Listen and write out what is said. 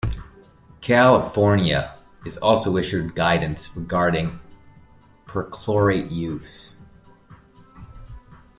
California has also issued guidance regarding perchlorate use.